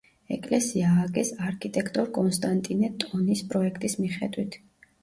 ეკლესია ააგეს არქიტექტორ კონსტანტინე ტონის პროექტის მიხედვით.